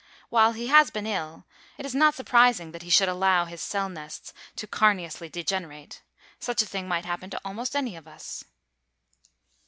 While he has been ill it is not surprising that he should allow his cell nests to carneously degenerate. Such a thing might happen to almost any of us.